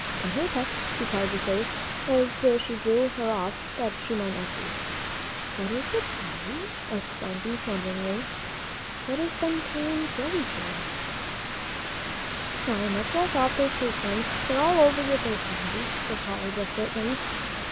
"Come here, Pet," she tried to say, as she drew her off that she might not see. "What is it, Polly?" asked Phronsie, wonderingly. "What is Ben carrying Joey for?" "Now I must wash off the cake crumbs, they're all over your face, Phronsie," said Polly, desperately.